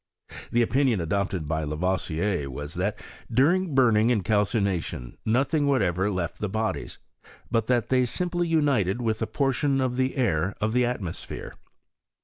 The opinion adopted by Lavoisier was, that during burning and calcination nothing whatever left the bodies, but that they simply united with a portion of the air of the atmosphere.